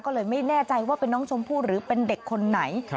ก็เลยไม่แน่ใจว่าเป็นน้องชมพู่หรือเป็นเด็กคนไหน